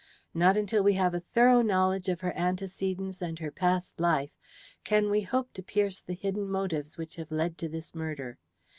Not until we have a thorough knowledge of her antecedents and her past life can we hope to pierce the hidden motives which have led to this murder.